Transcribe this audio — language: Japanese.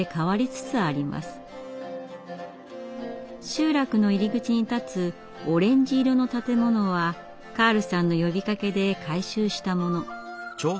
集落の入り口に建つオレンジ色の建物はカールさんの呼びかけで改修したもの。